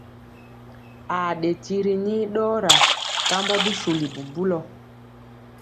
Aa ɗe tiri nii ɗɔɔra kambɔ bisuli bubulɔ.